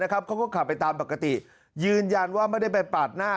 เขาก็ขับไปตามปกติยืนยันว่าไม่ได้ไปปาดหน้า